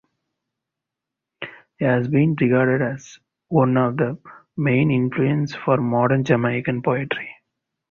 He has been regarded as one of the main influences for modern Jamaican poetry.